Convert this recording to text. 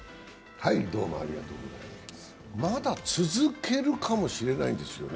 まだ続けるかもしれないんですよね。